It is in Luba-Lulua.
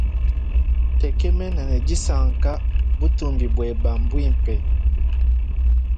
Ntekemene ne disanka butumbi bwabe bwimpe.